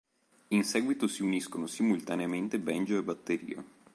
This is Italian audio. In seguito si uniscono simultaneamente banjo e batteria.